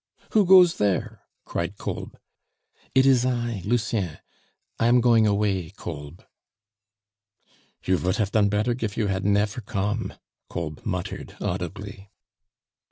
"Who goes there?" cried Kolb. "It is I, Lucien; I am going away, Kolb." "You vould haf done better gif you at nefer kom," Kolb muttered audibly.